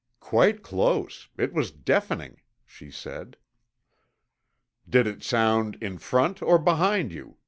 "Quite close. It was deafening," she said. "Did it sound in front or behind you?"